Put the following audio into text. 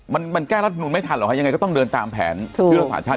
มันแก้รัฐบาลไม่ทันหรอกคะยังไงก็ต้องเดินตามแผนภิราษาชาติ